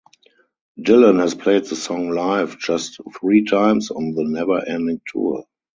Dylan has played the song live just three times on the Never Ending Tour.